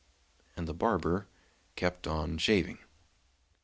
And the barber kept on shaving.